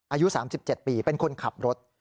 อายุ๓๗ปีเป็นคนขับรถ